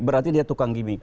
berarti dia tukang gimmick